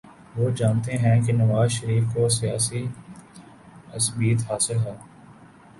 وہ جانتے ہیں کہ نواز شریف کو سیاسی عصبیت حاصل ہے۔